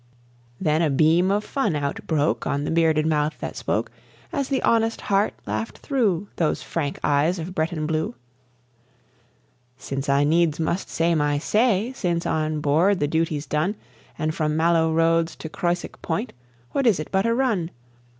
Then a beam of fun outbroke On the bearded mouth that spoke, As the honest heart laughed through Those frank eyes of Breton blue: "Since I needs must say my say, Since on board the duty's done, And from Malo Roads to Croisic Point, what is it but a run?